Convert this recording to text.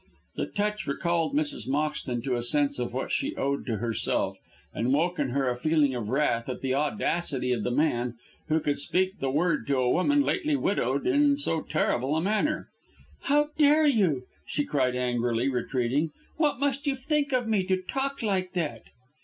The touch recalled Mrs. Moxton to a sense of what she owed to herself, and woke in her a feeling of wrath at the audacity of the man, who could speak the word to a woman lately widowed in so terrible a manner. "How dare you!" she cried angrily, retreating. "What must you think of me to talk like that!"